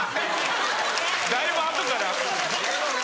だいぶ後から。